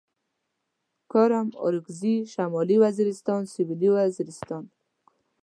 کرم اورکزي شمالي وزيرستان سوېلي وزيرستان